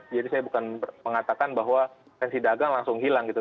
jadi saya bukan mengatakan bahwa tensi dagang langsung hilang gitu